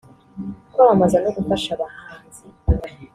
kwamamaza no gufasha abahanzi